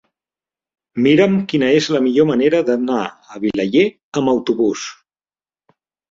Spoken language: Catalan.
Mira'm quina és la millor manera d'anar a Vilaller amb autobús.